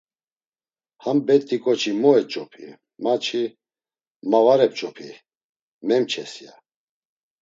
Ham bet̆i k̆oçi mo eç̆opi, ma-çi ma var ep̆ç̆opi, memçes, ya.